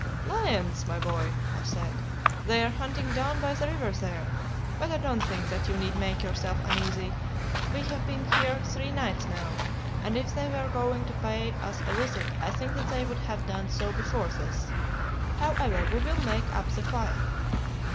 "'Lions, my boy,' I said; 'they are hunting down by the river there; but I don't think that you need make yourself uneasy. We have been here three nights now, and if they were going to pay us a visit I think that they would have done so before this. However, we will make up the fire.